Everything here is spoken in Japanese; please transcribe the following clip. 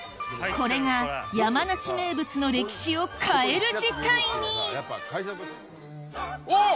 これが山梨名物の歴史を変える事態におっ！